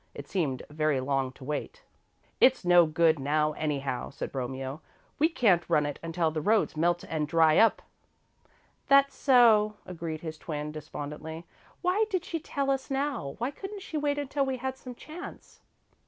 It seemed very long to wait. "It's no good now, anyhow," said Romeo. "We can't run it until the roads melt and dry up." "That's so," agreed his twin, despondently. "Why did she tell us now? Why couldn't she wait until we had some chance?"